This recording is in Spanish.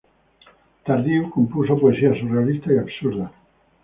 Tardieu compuso poesía surrealista y absurda.